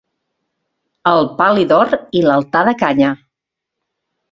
El pal·li d'or i l'altar de canya.